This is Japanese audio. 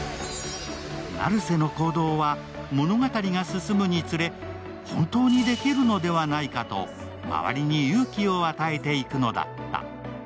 成瀬の行動は物語が進むにつれ本当にできるのではないかと周りに勇気を与えていくのだった。